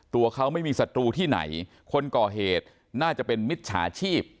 ตัวเขาไม่มีศัตรูที่ไหนคนก่อเหตุน่าจะเป็นมิจฉาชีพ